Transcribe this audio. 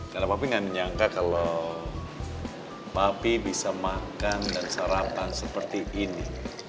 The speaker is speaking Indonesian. karena papi gak menyangka kalau papi bisa makan dan sarapan seperti ini